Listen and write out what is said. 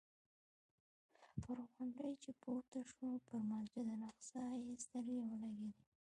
پر غونډۍ چې پورته شو پر مسجد الاقصی یې سترګې ولګېدې.